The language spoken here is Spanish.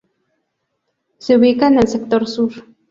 Se ubica en el sector sur.